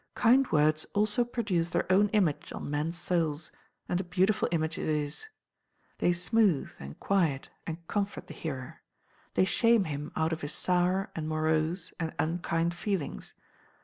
Kind words also produce their own image on men's souls, and a beautiful image it is. They smooth, and quiet, and comfort the hearer. They shame him out of his sour, and morose, and unkind feelings.